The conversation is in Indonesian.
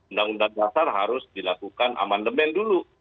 undang undang dasar harus dilakukan amandemen dulu